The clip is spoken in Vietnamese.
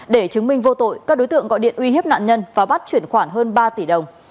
để chứng minh vô tội các đối tượng gọi điện uy hiếp nạn nhân và bắt chuyển khoản hơn ba tỷ đồng